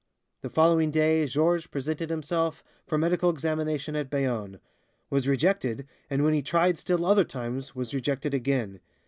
The following day Georges presented himself for medical examination at Bayonne, was rejected, and when he tried still other times, was rejected again.